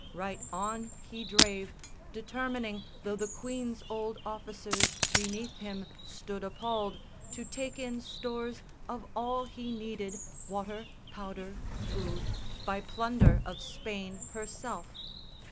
Right on he drave, Determining, though the Queen's old officers Beneath him stood appalled, to take in stores Of all he needed, water, powder, food, By plunder of Spain herself.